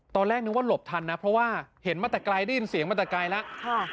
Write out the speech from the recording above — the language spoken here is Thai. ตอนแรกนึกว่าหลบทันนะเพราะว่าเห็นมาแต่ไกลได้ยินเสียงมาแต่ไกลแล้ว